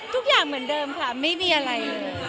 ทุกอย่างเหมือนเดิมค่ะไม่มีอะไร